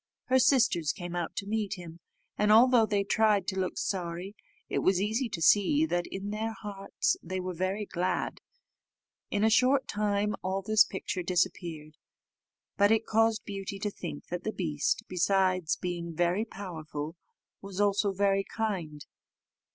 Her sisters came out to meet him, and although they tried to look sorry, it was easy to see that in their hearts they were very glad. In a short time all this picture disappeared, but it caused Beauty to think that the beast, besides being very powerful, was also very kind.